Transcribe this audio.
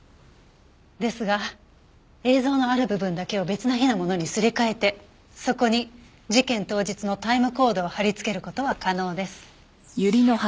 ですが映像のある部分だけを別な日のものにすり替えてそこに事件当日のタイムコードを貼り付ける事は可能です。